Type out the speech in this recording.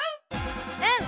うん！